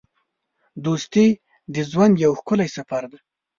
دوستي د ژوند یو ښکلی سفر دی.